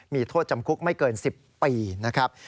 มีโทษจำคุกไม่เกิน๑๐ปีนะครับ